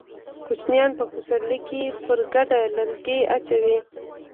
کوچيان په پسرلي کې پر کډه لرګي اچوي.